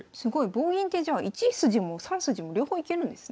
棒銀ってじゃあ１筋も３筋も両方いけるんですね。